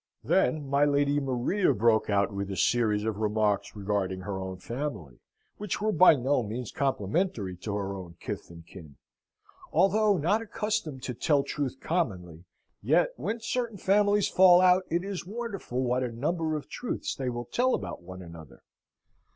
Then my Lady Maria broke out with a series of remarks regarding her own family, which were by no means complimentary to her own kith and kin. Although not accustomed to tell truth commonly, yet, when certain families fall out, it is wonderful what a number of truths they will tell about one another.